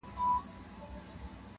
• نه پاچا نه حکمران سلطان به نسې,